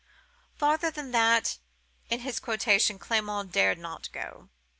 Farther than that in his quotation Clement dared not go.